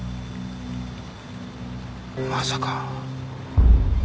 まさか。